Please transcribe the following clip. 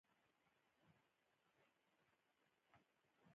په شرعیاتو کې هم ماسټري لري.